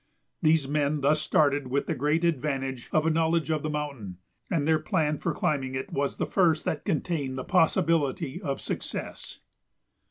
These men thus started with the great advantage of a knowledge of the mountain, and their plan for climbing it was the first that contained the possibility of success.